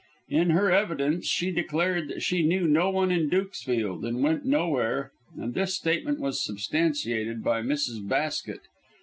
In her evidence she declared that she knew no one in Dukesfield and went nowhere, and this statement was substantiated by Mrs. Basket.